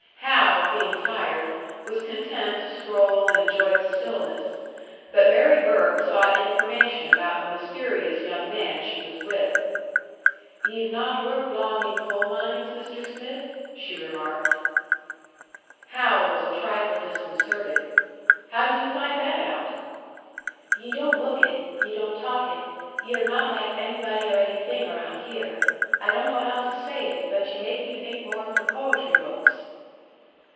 Hal, being tired, was content to stroll and enjoy the stillness; but Mary Burke sought information about the mysterious young man she was with. "Ye've not worked long in coal mines, Mr. Smith?" she remarked. Hal was a trifle disconcerted. "How did you find that out?" "Ye don't look it ye don't talk it. Ye're not like anybody or anything around here. I don't know how to say it, but ye make me think more of the poetry books."